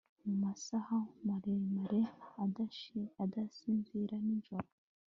mumasaha maremare, adasinzira nijoro